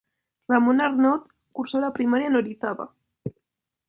Ramón Arnaud cursó la primaria en Orizaba.